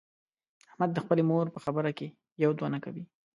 احمد د خپلې مور په خبره کې یو دوه نه کوي.